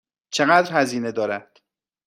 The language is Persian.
چقدر هزینه دارد؟